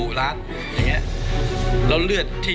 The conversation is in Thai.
มือครับมือครับมือครับ